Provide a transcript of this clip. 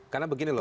karena begini loh